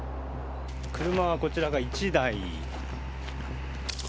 車はこちらが１台。